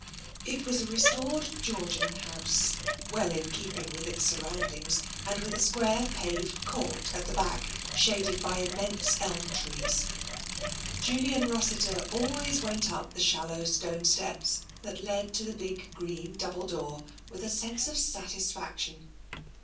It was a restored Georgian house, well in keeping with its surroundings, and with a square paved court at the back shaded by immense elm trees. Julian Rossiter always went up the shallow stone steps that led to the big green double door with a sense of satisfaction.